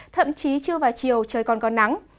thậm chí chưa vào chiều trời còn còn nắng